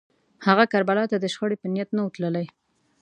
هغه کربلا ته د شخړې په نیت نه و تللی